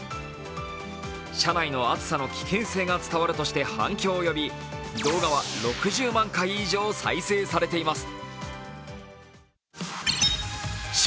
車内の暑さの危険性が伝わるとして反響を呼び動画は６０万回以上再生されています。